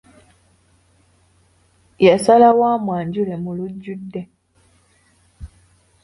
Yasalawo amwajule mu lujjudde.